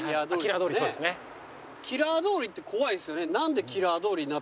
キラー通りって怖いですよね。